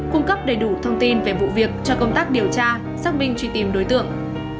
cung cấp đầy đủ thông tin về vụ việc cho công tác điều tra xác minh truy tìm đối tượng